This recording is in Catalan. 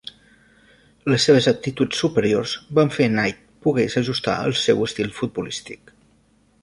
Les seves aptituds superiors van fer a Knight pogués ajustar el seu estil futbolístic.